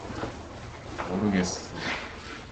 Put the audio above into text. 모르겠어.